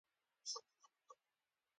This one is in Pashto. ښه سرفېس ګرېنډر به څوک پېژني ؟